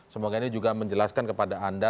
semoga ini juga menjelaskan kepada anda